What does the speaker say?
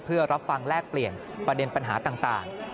เพื่อรับฟังแลกเปลี่ยนประเด็นปัญหาต่าง